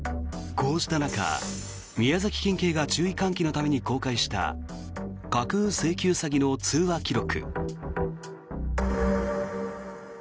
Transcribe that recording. こうした中、宮崎県警が注意喚起のために公開した架空請求詐欺の通話記録。